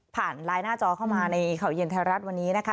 ไลน์หน้าจอเข้ามาในข่าวเย็นไทยรัฐวันนี้นะคะ